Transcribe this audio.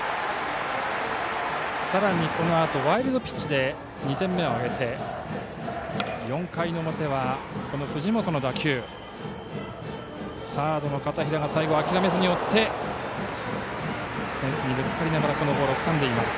さらに、このあとワイルドピッチで２点目を挙げて４回表は、藤本の打球をサードの片平が諦めずに追ってフェンスにぶつかりながらボールをつかんでいます。